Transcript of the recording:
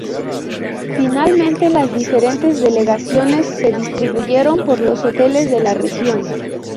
Finalmente las diferentes delegaciones se distribuyeron por los hoteles de la región.